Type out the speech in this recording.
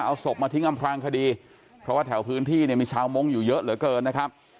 เอาศพมาทิ้งอำพลางคดีเพราะว่าแถวพื้นที่เนี่ยมีชาวมงค์อยู่เยอะเหลือเกินนะครับ